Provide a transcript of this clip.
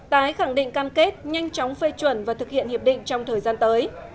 tái khẳng định cam kết nhanh chóng phê chuẩn và thực hiện hiệp định trong thời gian tới